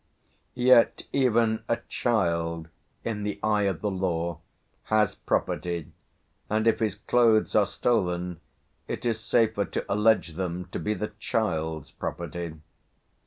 Yet even a child, in the eye of the law, has property, and if his clothes are stolen, it is safer to allege them to be the child's property.